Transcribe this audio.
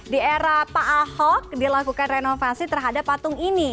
di era pak ahok dilakukan renovasi terhadap patung ini